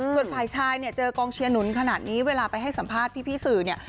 ส่วนฝ่ายชายเนี่ยเจอกองเชียร์หนุนขนาดนี้เวลาไปให้สัมภาษณ์พี่สื่อเนี่ย